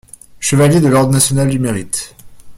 Chevalier de l'ordre national du mérite.